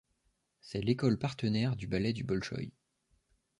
C'est l'école partenaire du Ballet du Bolchoï.